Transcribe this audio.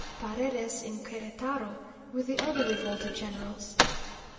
Paredes in Queretaro, with the other revolted generals.